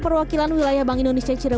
mencari uang yang diinginkan secara online